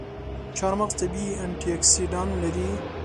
چارمغز طبیعي انټياکسیدان لري.